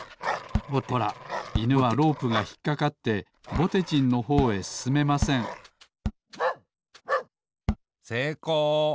ほらいぬはロープがひっかかってぼてじんのほうへすすめませんせいこう。